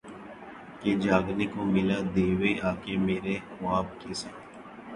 کہ جاگنے کو ملا دیوے آکے میرے خواب کیساتھ